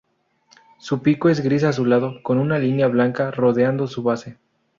Su pico es gris azulado con una línea blanca rodeando su base.